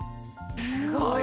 すごい。